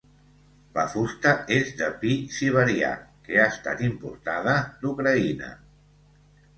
La fusta és de pi siberià que ha estat importada d'Ucraïna.